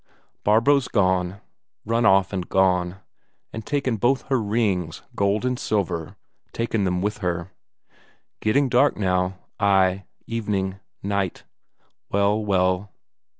Barbro's gone, run off and gone, and taken both her rings, gold and silver, taken them with her. Getting dark now, ay, evening, night; well, well....